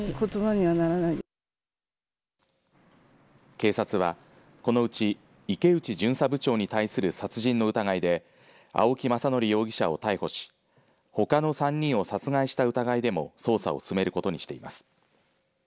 警察はこのうち池内巡査部長に対する殺人の疑いで青木政憲容疑者を逮捕しほかの３人を殺害した疑いでも捜査を進めることにしています。